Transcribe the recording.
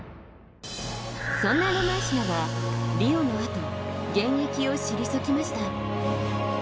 そんなロマーシナはリオの後、現役を退きました。